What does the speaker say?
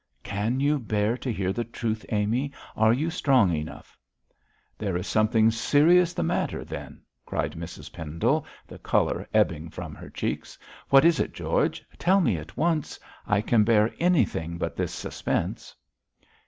'Can you bear to hear the truth, Amy? Are you strong enough?' 'There is something serious the matter, then?' cried Mrs Pendle, the colour ebbing from her cheeks. 'What is it, George? Tell me at once. I can bear anything but this suspense.'